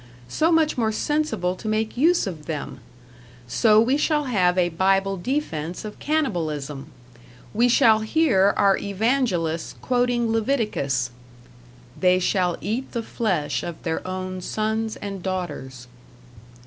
So much more sensible to make use of them! So we shall have a Bible defense of cannibalism; we shall hear our evangelists quoting Leviticus: "#They shall eat the flesh of their own sons and daughters.